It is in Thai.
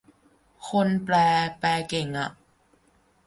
คนแปลแปลเก่งอะ